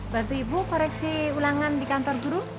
bantu ibu koreksi ulangan di kantor guru